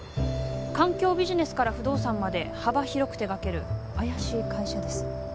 環境ビジネスから不動産まで幅広く手がける怪しい会社です